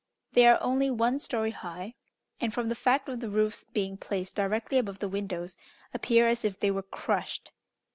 They are only one story high; and, from the fact of the roof's being placed directly above the windows, appear as if they were crushed.